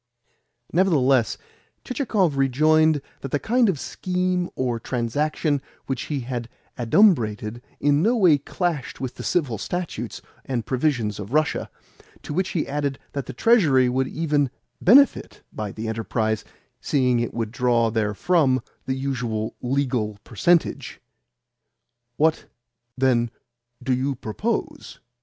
Nevertheless Chichikov rejoined that the kind of scheme or transaction which he had adumbrated in no way clashed with the Civil Statutes and Provisions of Russia; to which he added that the Treasury would even BENEFIT by the enterprise, seeing it would draw therefrom the usual legal percentage. "What, then, do you propose?"